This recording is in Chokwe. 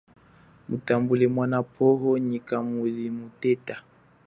Mutambule mwana pwoko, nyikha muyimuteta.